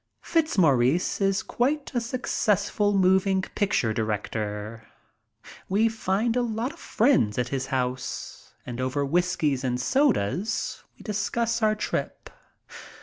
Fitzmaurice is quite a successful moving picture director. We find a lot of friends at his house, and over whiskies and sodas we discuss our trip.